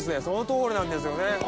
その通りなんですよね。